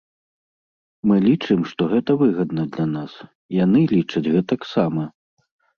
Мы лічым, што гэта выгадна для нас, яны лічаць гэтаксама.